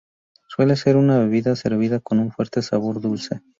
Suele ser una bebida servida con un fuerte sabor dulce.